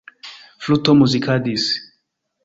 Fluto Muzikadas.